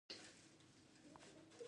دا اصلاً ماشومانه هیله کېدای شي.